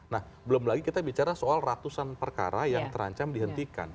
nah belum lagi kita bicara soal ratusan perkara yang terancam dihentikan